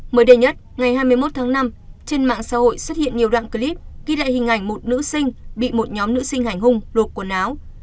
mới đây nhất ngày hai mươi một tháng năm trên mạng xã hội xuất hiện nhiều đoạn clip ghi lại hình ảnh một nữ sinh bị một nhóm nữ sinh hành hung đục quần áo